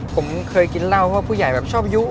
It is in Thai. ผมเคยกินเหล้าเพราะว่าผู้ใหญ่ชอบยุ๊ะ